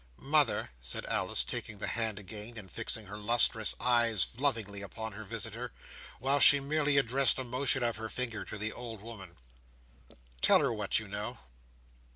"Mother," said Alice, taking the hand again, and fixing her lustrous eyes lovingly upon her visitor, while she merely addressed a motion of her finger to the old woman, "tell her what you know."